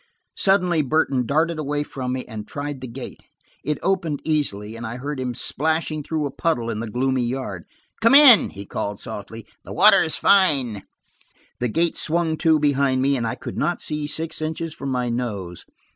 Suddenly Burton darted away from me and tried the gate. It opened easily, and I heard him splashing through a puddle in the gloomy yard. "Come in," he called softly. "The water's fine." The gate swung to behind me, and I could not see six inches from my nose.